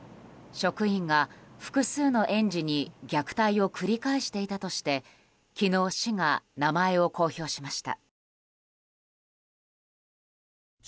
職員が複数の園児に虐待を繰り返していたとして昨日、市が名前を公表しました。